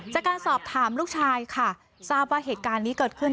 จากการสอบถามลูกชายค่ะทราบว่าเหตุการณ์นี้เกิดขึ้น